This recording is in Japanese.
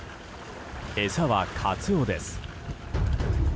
餌はカツオです。